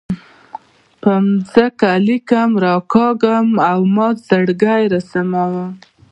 په ځمکه لیکې راکاږم او مات زړګۍ رسموم